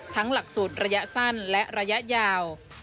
หลักสูตรระยะสั้นและระยะยาว